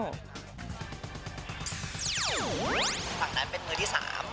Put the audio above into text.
ฝั่งดีเป็นมือที่๓